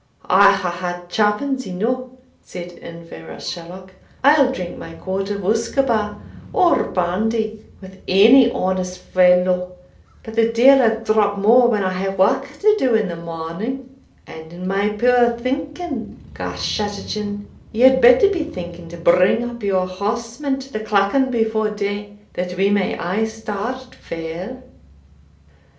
"I hae had chappins eneugh," said Inverashalloch; "I'll drink my quart of usquebaugh or brandy wi' ony honest fellow, but the deil a drap mair when I hae wark to do in the morning. And, in my puir thinking, Garschattachin, ye had better be thinking to bring up your horsemen to the Clachan before day, that we may ay start fair."